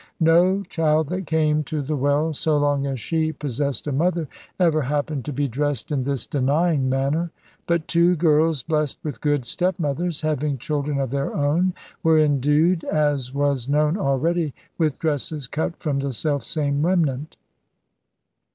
No child that came to the well (so long as she possessed a mother) ever happened to be dressed in this denying manner. But two girls blessed with good stepmothers, having children of their own, were indued, as was known already, with dresses cut from the self same remnant.